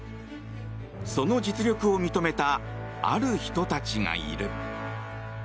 その実力を認めたある人たちがいる。